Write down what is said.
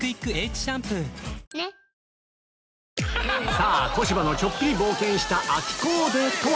さぁ小芝のちょっぴり冒険した秋コーデとは？